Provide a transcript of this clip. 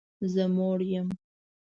زه موړ یم